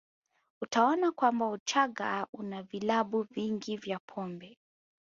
Utaona kwamba Uchaga una vilabu vingi vya pombe